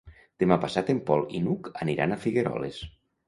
Demà passat en Pol i n'Hug aniran a Figueroles.